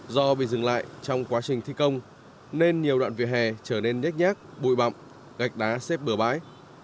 do bị dừng lại trong quá trình thi công nên nhiều đoạn vỉa hè trở nên nhét nhát bụi bậm gạch đá xếp bừa bãi